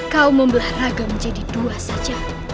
kaum membelah raga menjadi dua saja